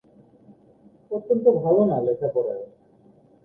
অত্যন্ত ভালো না লেখাপড়ায়ও।